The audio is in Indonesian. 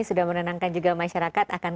sudah menenangkan juga masyarakat akan